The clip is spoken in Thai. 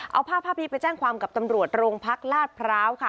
เอาภาพภาพนี้ไปแจ้งความกับตำรวจโรงพักลาดพร้าวค่ะ